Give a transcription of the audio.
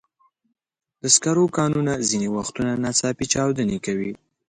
د سکرو کانونه ځینې وختونه ناڅاپي چاودنې کوي.